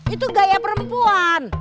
itu gaya perempuan